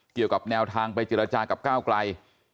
เกี่ยวกับแนวทางไปจริราชากับก้าวกลาย